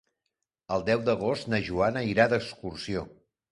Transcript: El deu d'agost na Joana irà d'excursió.